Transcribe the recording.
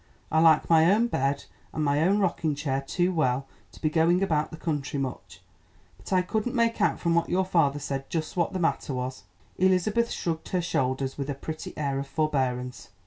I like my own bed and my own rocking chair too well to be going about the country much. But I couldn't make out from what your father said just what the matter was." Elizabeth shrugged her shoulders with a pretty air of forbearance.